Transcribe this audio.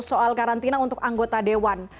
soal karantina untuk anggota dewan